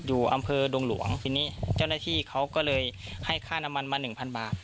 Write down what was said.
อยู่อำเภอดงหลวงทีนี้เจ้าหน้าที่เขาก็เลยให้ค่าน้ำมันมาหนึ่งพันบาท